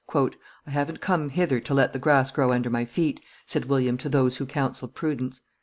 "I haven't come hither to let the grass grow under my feet," said William to those who counselled prudence.